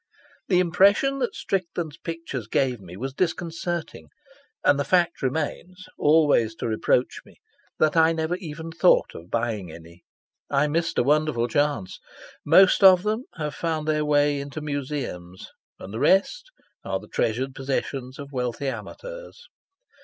The impression that Strickland's pictures gave me was disconcerting; and the fact remains, always to reproach me, that I never even thought of buying any. I missed a wonderful chance. Most of them have found their way into museums, and the rest are the treasured possessions of wealthy amateurs.